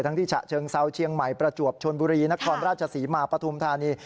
ที่ฉะเชิงเซาเชียงใหม่ประจวบชนบุรีนครราชศรีมาปฐุมธานี